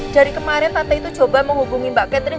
dari kemarin tante itu coba menghubungi mbak catherine